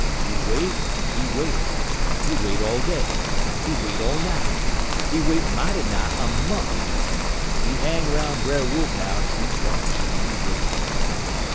He wait en he wait; he wait all day, he wait all night; he wait mighty nigh a mont'. He hang 'roun' Brer Wolf house; he watch en he wait.